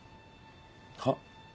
はっ？